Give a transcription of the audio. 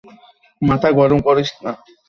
মাথা গরম করিস না।